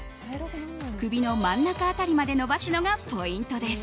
首の真ん中辺りまで伸ばすのがポイントです。